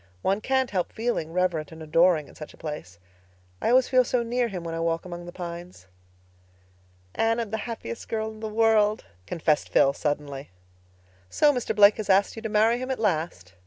"One can't help feeling reverent and adoring in such a place. I always feel so near Him when I walk among the pines." "Anne, I'm the happiest girl in the world," confessed Phil suddenly. "So Mr. Blake has asked you to marry him at last?"